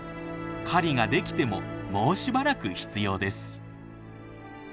狩りができてももうしばらく必要です。